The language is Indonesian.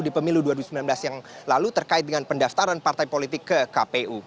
di pemilu dua ribu sembilan belas yang lalu terkait dengan pendaftaran partai politik ke kpu